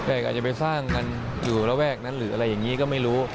แต่อาจจะไปสร้างกันอยู่ระแวกนั้นหรืออะไรอย่างนี้ก็ไม่รู้